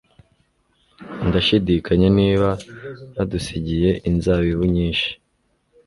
Ndashidikanya niba badusigiye inzabibu nyinshi